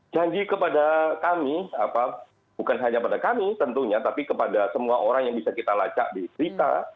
janji kepada kami bukan hanya pada kami tentunya tapi kepada semua orang yang bisa kita lacak di berita